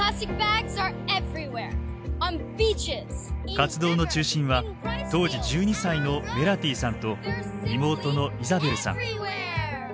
活動の中心は当時１２歳のメラティさんと妹のイザベルさん。